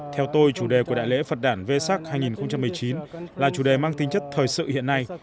theo tôi chủ đề của đại lễ phật đàn vê sắc hai nghìn một mươi chín là chủ đề mang tính chất thời sự hiện nay